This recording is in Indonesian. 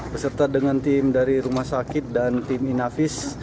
beserta dengan tim dari rumah sakit dan tim inavis